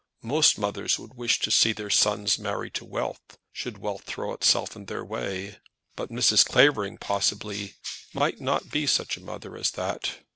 Most mothers would wish to see their sons married to wealth, should wealth throw itself in their way; but Mrs. Clavering, possibly, might not be such a mother as that.